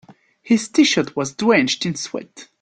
His t-shirt was drenched in sweat.